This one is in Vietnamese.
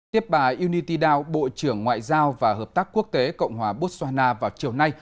tiếp bà unitydao bộ trưởng ngoại giao và hợp tác quốc tế cộng hòa botswana vào chiều nay